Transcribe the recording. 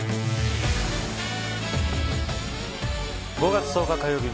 ５月１０日火曜日